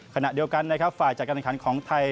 ขณะเดียวกันฝ่ายจากการการขันต์ของไทย